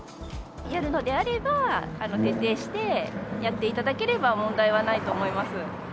やるのであれば、徹底してやっていただければ、問題はないと思います。